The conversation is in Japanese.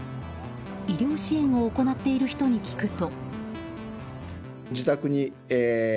医療支援を行っている人に聞くと。